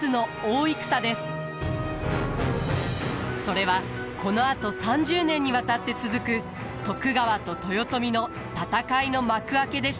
それはこのあと３０年にわたって続く徳川と豊臣の戦いの幕開けでした。